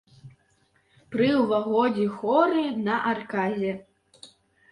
Пры ўваходзе хоры на аркадзе.